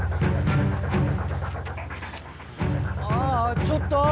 ⁉ああちょっとぉ！